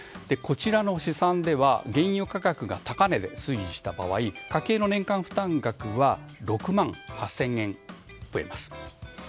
こちらの試算では原油価格が高値で推移した場合家計の年間負担額は６万８０００円増えます。